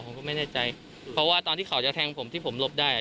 ผมก็ไม่แน่ใจเพราะว่าตอนที่เขาจะแทงผมที่ผมหลบได้